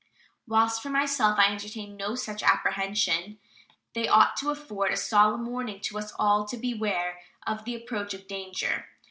Whilst for myself I entertain no such apprehension, they ought to afford a solemn warning to us all to beware of the approach of danger.